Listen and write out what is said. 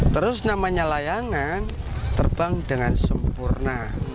terus namanya layangan terbang dengan sempurna